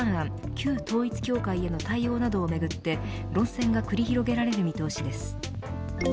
旧統一教会への対応などをめぐって論戦が繰り広げられる見通しです。